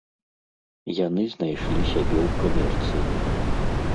Яны знайшлі сябе ў камерцыі.